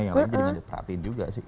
yang lain jadi yang jadi perhatian juga sih